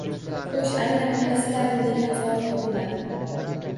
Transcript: Xo‘sh, aynan qaysilarining degan savol tug‘iladi.